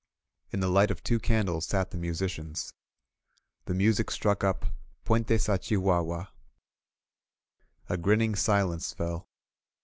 In the light of two candles sat the musicians. The music struck up *^Pv£ntes d Chihtuihtui.^* A grinning silence fell.